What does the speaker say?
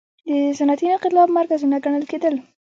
د صنعتي انقلاب مرکزونه ګڼل کېدل.